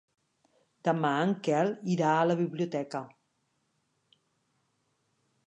Demà en Quel irà a la biblioteca.